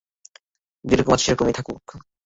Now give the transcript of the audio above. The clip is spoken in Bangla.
যেরকম আছে সেরকমই থাকুক।